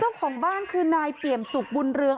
เจ้าของบ้านคือนายเปี่ยมสุขบุญเรือง